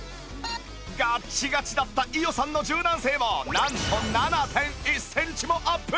ガッチガチだった伊代さんの柔軟性もなんと ７．１ センチもアップ！